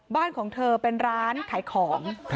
บ้านของเธอเป็นร้านขายของ